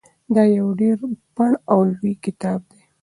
دا یو ډېر پنډ او لوی کتاب دی.